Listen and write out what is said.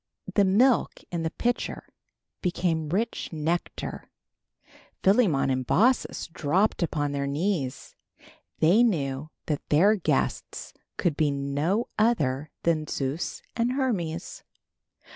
The milk in the pitcher became rich nectar. Philemon and Baucis dropped upon their knees. They knew that their guests could be no other than Zeus and Hermes.